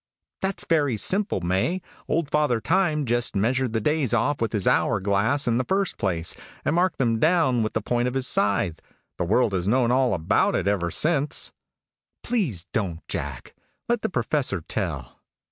"That's very simple, May. Old Father Time just measured the days off with his hour glass in the first place, and marked them down with the point of his scythe. The world has known all about it ever since." "Please don't, Jack. Let the Professor tell."